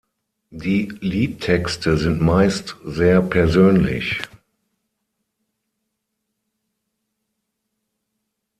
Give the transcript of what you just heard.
Die Liedtexte sind meist sehr persönlich.